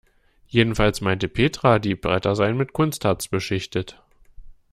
Jedenfalls meinte Petra, die Bretter seien mit Kunstharz beschichtet.